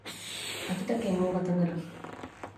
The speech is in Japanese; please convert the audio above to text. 秋田県大潟村